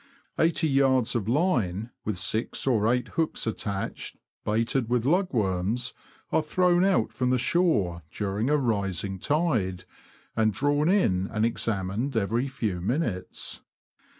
Eighty yards of line, with six or eight hooks attached, baited with lugworms, are thrown out from the shore, during a rising tide, and drawn in and examined every few minutes.